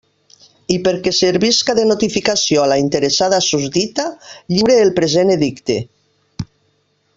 I perquè servisca de notificació a la interessada susdita, lliure el present edicte.